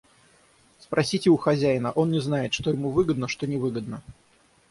Спросите у хозяина, — он не знает, что ему выгодно, что невыгодно.